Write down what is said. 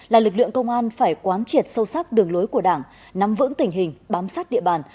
là lực lượng công an phải quán triệt sâu sắc đường lối của đảng nắm vững tình hình bám sát địa bàn